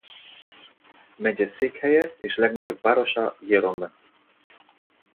Megyeszékhelye és legnagyobb városa Jerome.